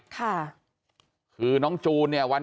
กลับไปลองกลับ